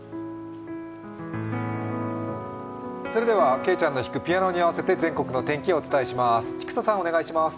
けいちゃんの弾くピアノに合わせて全国のお天気をお伝えします。